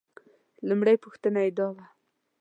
لومړۍ پوښتنه یې دا وه.